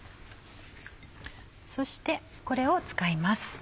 そしてこれを使います。